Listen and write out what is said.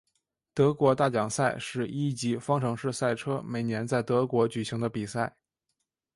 德国大奖赛是一级方程式赛车每年在德国举行的比赛。